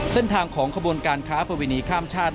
เส้นทางของขบวนการค้าประเวณีข้ามชาติ